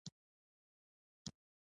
ده چې موټر ودراوه ډولچي ورخطا شو.